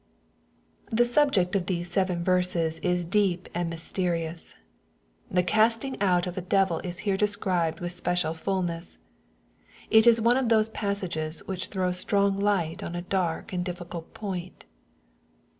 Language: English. The subject of these seven verses is deep and mysterious The casting out of a devil is here described with special fulness. It is one of those passages which throw strong light on a dark and difficult point.